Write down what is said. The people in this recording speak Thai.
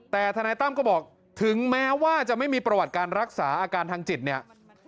แต่ทนายตั้มก็บอกถึงแม้ว่าจะไม่มีประวัติการรักษาอาการทางจิตเนี่ย